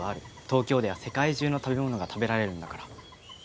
東京では世界中の食べ物が食べられるんだから。